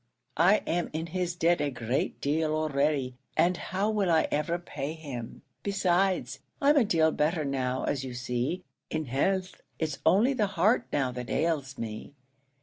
I am in his debt a great deal already, and how will I ever pay him? Besides, I'm a deal better now, as you see, in health; it's only the heart now that ails me.